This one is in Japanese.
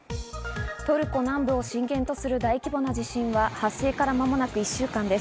トルコ南部を震源とする大規模な地震は発生から間もなく１週間です。